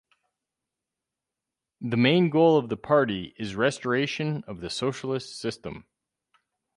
The main goal of the party is restoration of the socialist system.